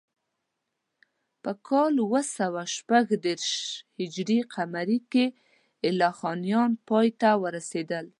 په کال اوه سوه شپږ دېرش هجري قمري کې ایلخانیان پای ته ورسېدل.